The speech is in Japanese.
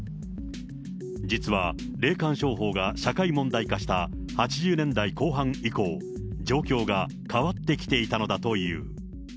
実は霊感商法が社会問題化した８０年代後半以降、状況が変わってきていたのだという。